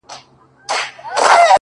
زړه ته د ښايست لمبه پوره راغلې نه ده؛